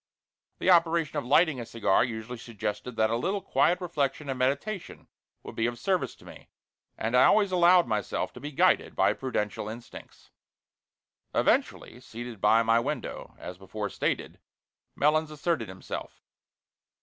The operation of lighting a cigar usually suggested that a little quiet reflection and meditation would be of service to me, and I always allowed myself to be guided by prudential instincts. Eventually, seated by my window, as before stated, Melons asserted himself.